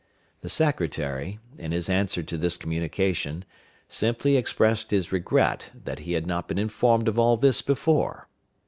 The secretary, in his answer to this communication, simply expressed his regret that he had not been informed of all this before.